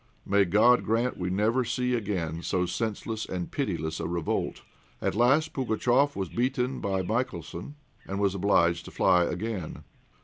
May God grant we never see again so senseless and pitiless a revolt. At last Pugatchéf was beaten by Michelson, and was obliged to fly again.